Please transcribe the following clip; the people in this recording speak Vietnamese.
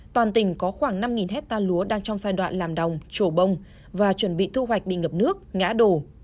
toàn tỉnh có khoảng năm hectare lúa đang trong giai đoạn làm đồng trổ bông và chuẩn bị thu hoạch bị ngập nước ngã đổ